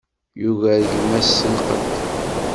Yugar gma-s deg lqedd.